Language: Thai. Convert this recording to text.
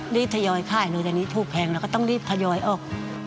รีบทยอยค่ายโดยจะนี้ครูแพงเราก็ต้องรีบทยอยออก